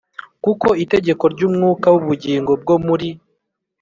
Kuko itegeko ry umwuka w ubugingo bwo muri